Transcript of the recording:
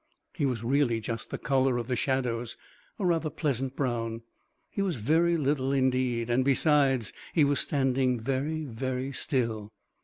He was really just the colour of the shadows a rather pleasant brown he was very little indeed, and besides, he was standing very, very still.